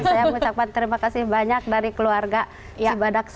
saya mengucapkan terima kasih banyak dari keluarga cibadak sepuluh